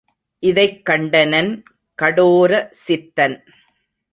இதைக் கண்டனன் கடோர சித்தன்.